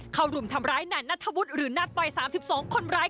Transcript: เขารุ่มทำร้ายนายนัทธวุธหรือนัทวัยสามสิบสองคนร้าย